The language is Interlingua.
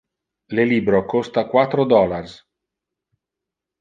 Le libro costa quatro dollars